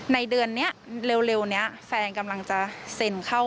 ในเดือนนี้เร็วนี้แฟนกำลังจะเซ็นเข้า